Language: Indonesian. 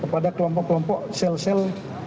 kepada kelompok kelompok sel sel